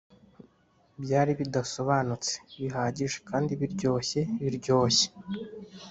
byari bidasobanutse bihagije kandi biryoshye biryoshye,